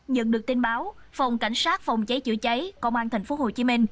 nhận được tin báo phòng cảnh sát phòng cháy chữa cháy công an tp hcm